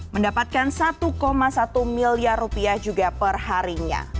mendapatkan satu satu miliar rupiah juga perharinya